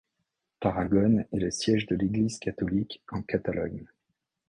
Tarragone est le siège de l'église catholique en Catalogne.